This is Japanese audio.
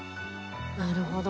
なるほど。